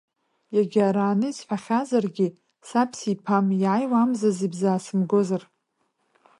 Иагьарааны исҳәахьазаргьы, саб сиԥам, иааиуа амзазы ибзаасымгозар!